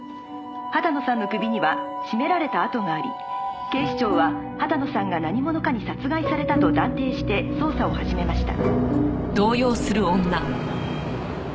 「畑野さんの首には絞められた痕があり警視庁は畑野さんが何者かに殺害されたと断定して捜査を始めました」